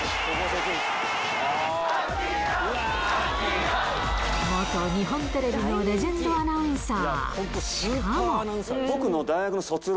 朗、元日本テレビのレジェンドアナウンサー。